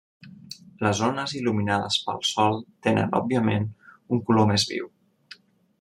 Les zones il·luminades pel sol tenen, òbviament, un color més viu.